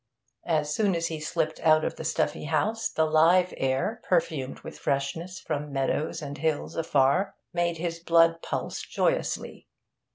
As soon as he slipped out of the stuffy house, the live air, perfumed with freshness from meadows and hills afar, made his blood pulse joyously.